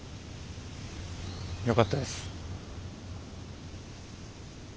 よかったです。